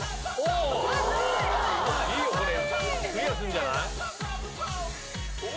クリアするんじゃない？